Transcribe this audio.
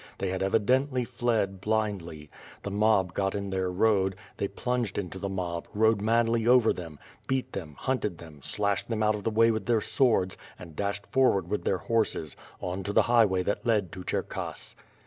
They had evidently fled blindly. The mob got in their road; they plunged into the mob, rode madly over them; beat them, hunted them, slashed them out of the way with their swords and dashed forward with their horses, on to the highway that led to C'herkass.